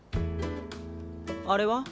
あれは？